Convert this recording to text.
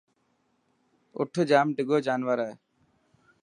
اَٺ جام ڊڳو جانور هي.